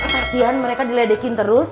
kasian mereka diledekin terus